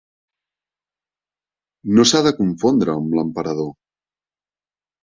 No s'ha de confondre amb l'emperador.